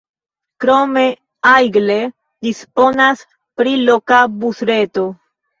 Krome Aigle disponas pri loka busreto.